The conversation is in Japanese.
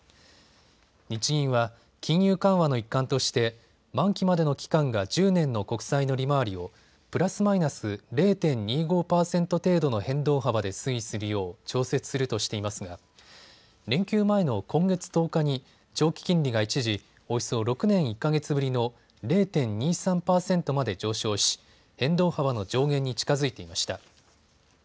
日銀は金融緩和の一環として満期までの期間が１０年の国債の利回りをプラスマイナス０．２５％程度の変動幅で推移するよう調節するとしていますが連休前の今月１０日に長期金利が一時およそ６年１か月ぶりの０．２３％まで上昇し、変動幅の上限に近づいていました。